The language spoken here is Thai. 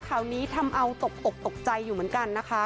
ข่าวนี้ทำเอาตกอกตกใจอยู่เหมือนกันนะคะ